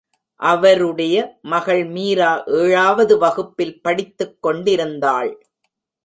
அவருடைய மகள் மீரா ஏழாவது வகுப்பில் படித்துக்கொண்டிருந்தாள்.